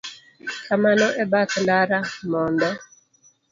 Kamano e bath ndara mondo